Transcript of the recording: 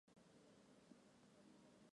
属牂牁郡。